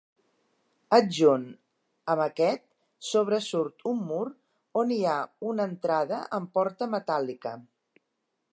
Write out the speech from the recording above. Adjunt amb aquest sobresurt un mur on hi ha una entrada amb porta metàl·lica.